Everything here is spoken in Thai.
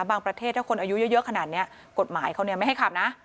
ประเทศถ้าคนอายุเยอะขนาดนี้กฎหมายเขาเนี่ยไม่ให้ขับนะ